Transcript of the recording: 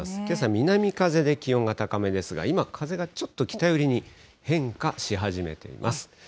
けさ、南風で気温が高めですが、今、風がちょっと北寄りに変化し始めています。